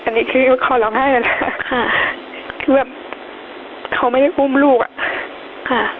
อันนี้คือเขาร้องไห้แล้วนะค่ะคือแบบเขาไม่ได้อุ้มลูกอ่ะค่ะ